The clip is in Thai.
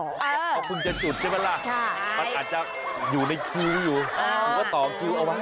เพราะคุณจะจุดใช่ไหมล่ะมันอาจจะอยู่ในคิวอยู่หรือว่าต่อคิวเอาไว้